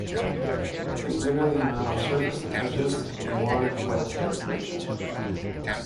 The greater the amount of surface that touches the more wet the condition.